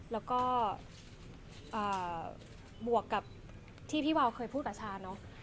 แล้วก็บวกกับที่พี่วาวเคยพูดกับชาเนอะ